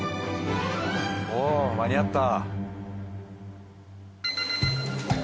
おおーっ間に合った。